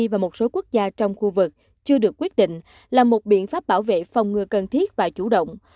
và một số quốc gia trong khu vực chưa được quyết định là một biện pháp bảo vệ phòng ngừa cần thiết và chủ động